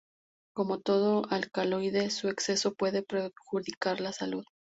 Como todo alcaloide su exceso puede perjudicar la salud.